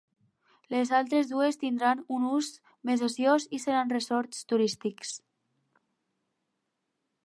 Les altres dues tindran un ús més ociós i seran ressorts turístics.